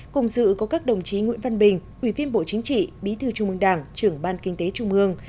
cùng dự có các đồng chí nguyễn văn bình ủy viên bộ chính trị bí thư trung mương đảng trưởng ban kinh tế trung ương